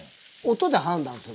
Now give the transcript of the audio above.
音で判断する？